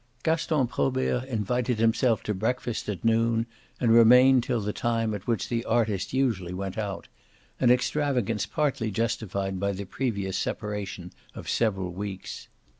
Gaston Probert invited himself to breakfast at noon and remained till the time at which the artist usually went out an extravagance partly justified by the previous separation of several weeks.